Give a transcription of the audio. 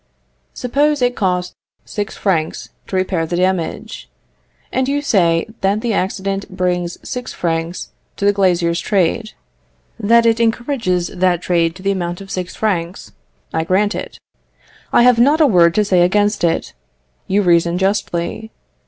Suppose it cost six francs to repair the damage, and you say that the accident brings six francs to the glazier's trade that it encourages that trade to the amount of six francs I grant it; I have not a word to say against it; you reason justly.